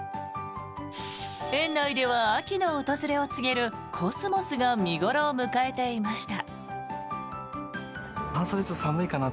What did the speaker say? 園内では秋の訪れを告げるコスモスが見頃を迎えていました。